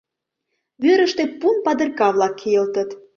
Вӱрыштӧ пун падырка-влак кийылтыт.